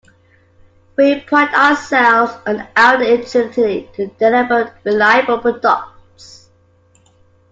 We pride ourselves on our integrity to deliver reliable products.